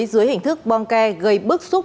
dưới hình thức bong ke gây bức xúc